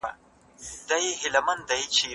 تاسو باید خپلې جامې په پاکه توګه وساتئ.